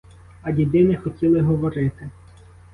А діди не хотіли говорити.